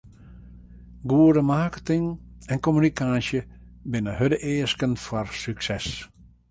Goede marketing en kommunikaasje binne hurde easken foar sukses.